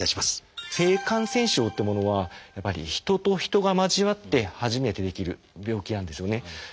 性感染症っていうものはやっぱり人と人が交わって初めて出来る病気なんですよね。